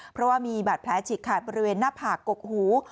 เพราะว่ามีบาดแผลฉีกขาดบริเวณหน้าผากกหู